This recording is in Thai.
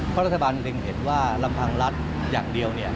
พระรัฐบาลเรียกเห็นว่าระหว่างรัฐอย่างเดียว